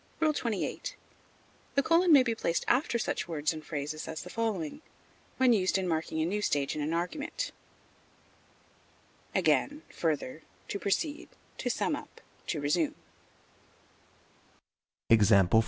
XXVIII. The colon may be placed after such words and phrases as the following, when used in marking a new stage in an argument: Again, further, to proceed, to sum up, to resume.